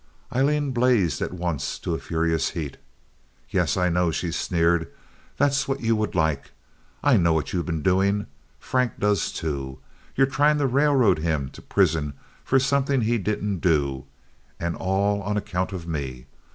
Aileen blazed at once to a furious heat. "Yes, I know," she sneered. "That's what you would like. I know what you've been doing. Frank does, too. You're trying to railroad him to prison for something he didn't do—and all on account of me.